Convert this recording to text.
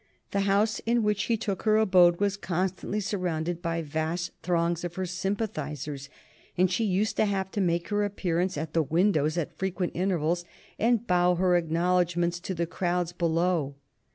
The house in which she took up her abode was constantly surrounded by vast throngs of her sympathizers, and she used to have to make her appearance at the windows at frequent intervals and bow her acknowledgments to the crowds below.